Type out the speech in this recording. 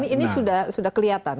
ini sudah kelihatan